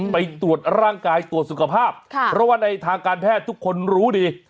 ไปตรวจร่างกายตรวจสุขภาพเพราะว่าในทางการแพทย์ทุกคนรู้ดี